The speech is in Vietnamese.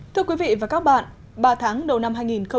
thưa quý vị và các bạn ba tháng đầu năm hai nghìn một mươi chín